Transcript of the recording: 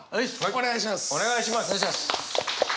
お願いします。